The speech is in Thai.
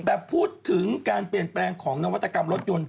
แต่พูดถึงการเปลี่ยนแปลงของนวัตกรรมรถยนต์